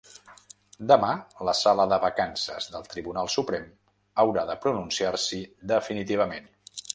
Demà la sala de vacances del Tribunal Suprem haurà de pronunciar-s’hi definitivament.